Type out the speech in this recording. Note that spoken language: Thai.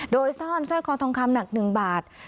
โดยซ่อนสร้อยคอทองคำหนัก๑บาท